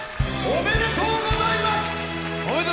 おめでとうございます！